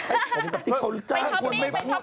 ไปช็อปปี้ไปช็อปปิ้ง